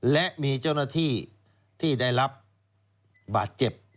และมีเจ้าหน้าที่ที่ได้รับบาดเจ็บ